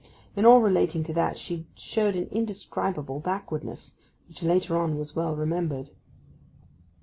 In all relating to that she showed an indescribable backwardness, which later on was well remembered.